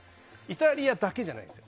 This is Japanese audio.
イタリアだけじゃないんです。